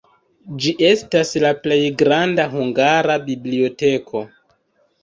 Ĝi estas la plej granda hungara biblioteko.